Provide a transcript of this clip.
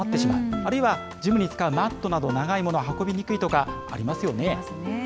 あるいはジムに使うマットなど、長いものを運びにくいとかありますよね。